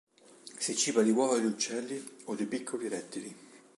Si ciba di uova di uccelli o di piccoli rettili.